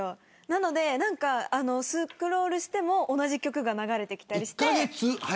なので、スクロールしても同じ曲が流れてきたりして。